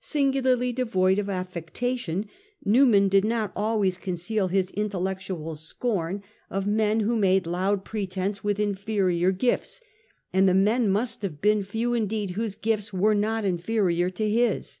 Singularly devoid of affectation, Newman did not always conceal his intellectual scorn VOL. X. P 210 A HISTORY OF OUR OWN TIMES. cn. x. of men who made loud pretence with inferior gifts, and the men must have been few indeed whose gifts were not inferior to his.